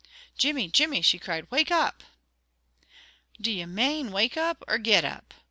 "Jimmy, Jimmy," she cried. "Wake up!" "Do you mane, wake up, or get up?"